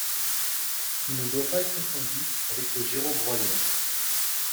Il ne doit pas être confondu avec le gyrobroyeur.